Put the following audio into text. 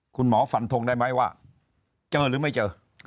ฝันทงได้ไหมว่าเจอหรือไม่เจอ